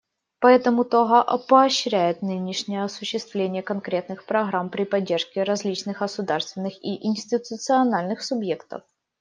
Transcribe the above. Поэтому Того поощряет нынешнее осуществление конкретных программ при поддержке различных государственных и институциональных субъектов.